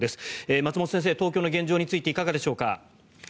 松本先生、東京の現状についていかがでしょうか。